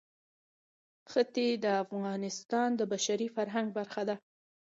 ښتې د افغانستان د بشري فرهنګ برخه ده.